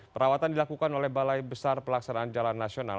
perawatan dilakukan oleh balai besar pelaksanaan jalan nasional